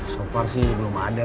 sopar sih belum ada